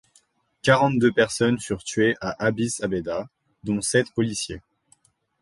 Quarante-deux personnes furent tuées à Addis-Abeba, dont sept policiers.